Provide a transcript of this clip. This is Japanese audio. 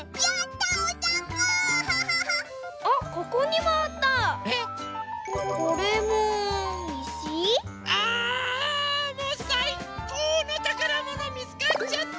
もうさいこうのたからものみつかっちゃった！